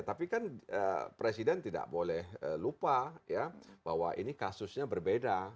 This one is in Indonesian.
tapi kan presiden tidak boleh lupa ya bahwa ini kasusnya berbeda